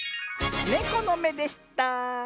ネコのめでした。